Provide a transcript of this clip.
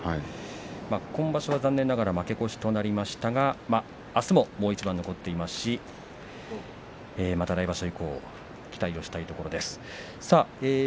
今場所は残念ながら負け越しとなりましたがあすももう一番残っていますしまた来場所以降期待をしたいところです。